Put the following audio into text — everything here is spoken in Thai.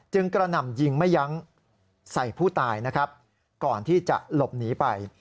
จึงกระหน่ำยิงมะยั้งใส่ผู้ตายก่อนที่จะหลบหนีไป